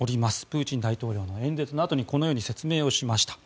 プーチン大統領の演説のあとにこのように説明をしました。